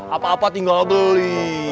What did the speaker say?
apa apa tinggal beli